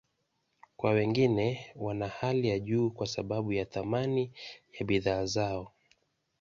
Kwa wengine, wana hali ya juu kwa sababu ya thamani ya bidhaa zao.